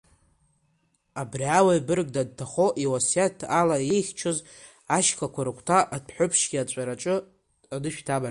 Абри ауаҩ бырг данҭахо иуасиаҭ ала иихьчоз ашьхақәа рыгәҭа адәҳәыԥш иаҵәараҿы анышә дамардеит.